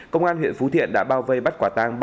công an huyện phú thiện đã bao vây bắt quả tang